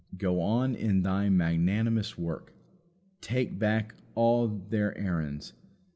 go on in thy magnanimous work. Take back all their errands.